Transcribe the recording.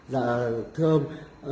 dạ thưa ông